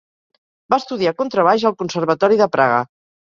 Va estudiar contrabaix al Conservatori de Praga.